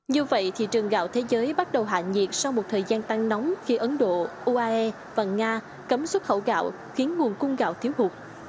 như vậy thị trường gạo thế giới bắt đầu hạ nhiệt sau một thời gian tăng nóng khi ấn độ uae và nga cấm xuất khẩu gạo khiến nguồn cung gạo thiếu hụt